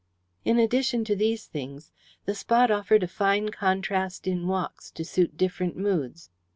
In addition to these things, the spot offered a fine contrast in walks to suit different moods.